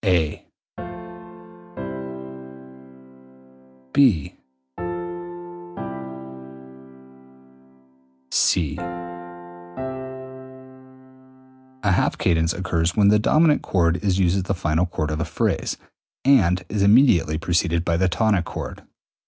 69.] 206. A half cadence occurs when the dominant chord is used as the final chord of a phrase, and is immediately preceded by the tonic chord.